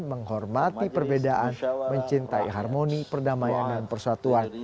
menghormati perbedaan mencintai harmoni perdamaian dan persatuan